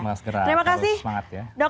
males gerak harus semangat ya